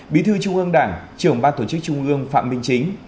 bí thư trung ương đảng trưởng ban tổ chức trung ương phạm minh chính